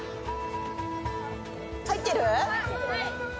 入ってる？